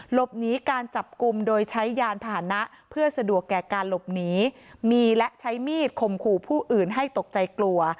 หลบหนีการจับกลุ่มโดยใช้ยานพาหนะเพื่อสะดวกแก่การหลบหนีมีและใช้มีดข่มขู่ผู้อื่นให้ตกใจกลัว